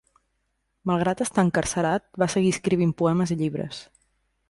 Malgrat estar encarcerat, va seguir escrivint poemes i llibres.